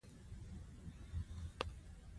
همداسې یو دم یې موټر ته ګیر ورکړ.